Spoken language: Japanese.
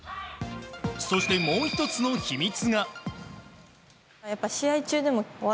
そして、もう１つの秘密が。